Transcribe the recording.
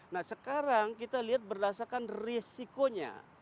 nah sekarang kita lihat berdasarkan risikonya